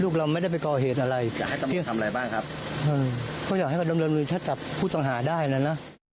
ก็อยากให้กำลังเริ่มชัดกับผู้สังหาได้นะนะ